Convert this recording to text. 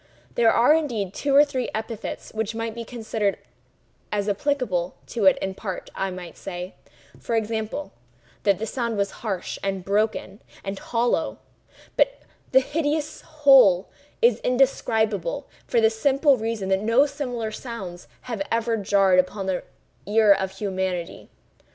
There are, indeed, two or three epithets which might be considered as applicable to it in part; I might say, for example, that the sound was harsh, and broken and hollow; but the hideous whole is indescribable, for the simple reason that no similar sounds have ever jarred upon the ear of humanity.